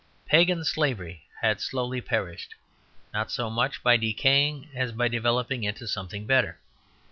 Pagan slavery had slowly perished, not so much by decaying as by developing into something better.